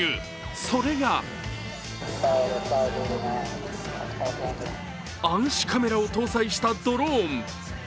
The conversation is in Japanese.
それが暗視カメラを搭載したドローン。